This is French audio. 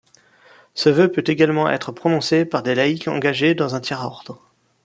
Ce vœu peut également être prononcé par des laïques engagés dans un Tiers-Ordre.